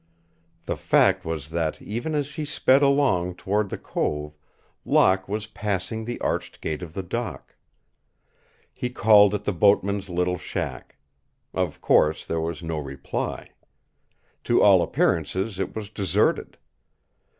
The fact was that even as she sped along toward the cove Locke was passing the arched gate of the dock. He called at the boatman's little shack. Of course there was no reply. To all appearances it was deserted.